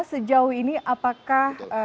sejauh ini apakah